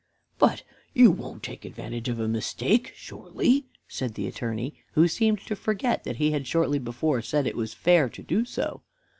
"But you won't take advantage of a mistake, surely!" said the Attorney, who seemed to forget that he had shortly before said that it was fair to do so.